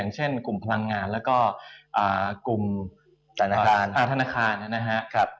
เช่นกลุ่มพลังงานแล้วก็กลุ่มธนาคาร